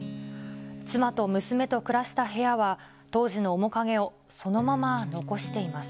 妻と娘と暮らした部屋は当時の面影をそのまま残しています。